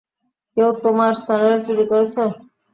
কেউ তোমার স্যান্ডেল চুরি করেছে।